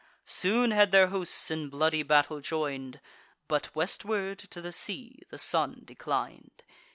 Soon had their hosts in bloody battle join'd; But westward to the sea the sun declin'd.